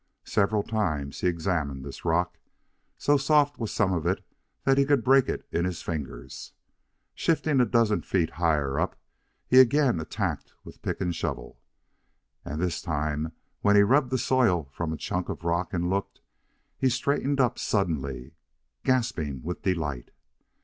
Several times he examined this rock. So soft was some of it that he could break it in his fingers. Shifting a dozen feet higher up, he again attacked with pick and shovel. And this time, when he rubbed the soil from a chunk of rock and looked, he straightened up suddenly, gasping with delight.